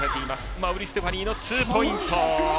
馬瓜ステファニーのツーポイント。